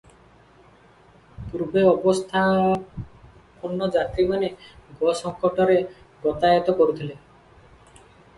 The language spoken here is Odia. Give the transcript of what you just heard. ପୂର୍ବେ ଅବସ୍ଥାପନ୍ନ ଯାତ୍ରୀମାନେ ଗୋ-ଶକଟରେ ଗତାୟତ କରୁଥିଲେ ।